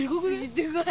でかい。